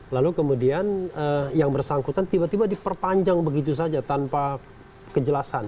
lalu kemudian yang bersangkutan tiba tiba diperpanjang begitu saja tanpa kejelasan